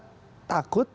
karena memang kita takut